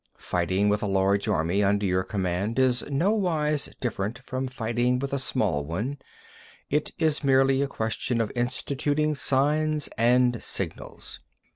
2. Fighting with a large army under your command is nowise different from fighting with a small one: it is merely a question of instituting signs and signals.